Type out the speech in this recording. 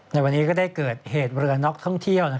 ในวันนี้ก็ได้เกิดเหตุเรือน็อกท่องเที่ยว